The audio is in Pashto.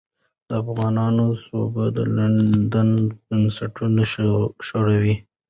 د افغانانو سوبه د لندن بنسټونه ښورولې.